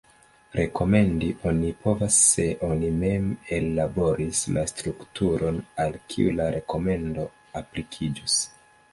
Rekomendi oni povas se oni mem ellaboris la strukturon al kiu la rekomendo aplikiĝos.